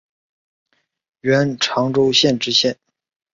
授长洲县知县。